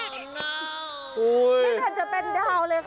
มันอาจจะเป็นดาวเลยค่ะ